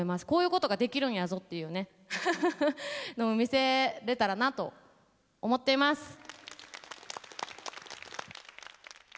こういうことができるんやぞっていうねのを見せれたらなと思っています。